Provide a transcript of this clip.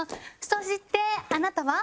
「そしてあなたは」